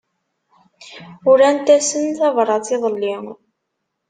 Urant-asen tabrat iḍelli.